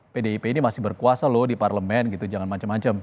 pdip ini masih berkuasa loh di parlemen gitu jangan macam macam